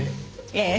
ええ。